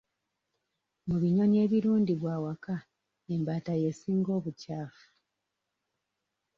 Mu binyonyi ebirundibwa awaka embaata y'esinga obukyafu.